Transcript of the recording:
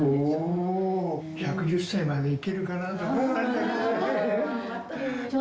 １１０歳までいけるかなと思ったんだけどね。